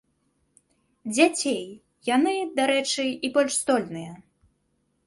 Дзяцей, яны, дарэчы, і больш здольныя.